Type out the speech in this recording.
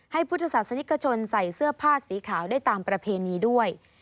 พุทธศาสนิกชนใส่เสื้อผ้าสีขาวได้ตามประเพณีด้วย